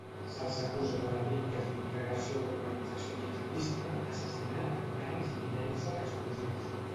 Se'ls acusa de delictes d'integració en organització gihadista, assassinat, danys i tinença d'explosius.